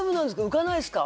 浮かないですか？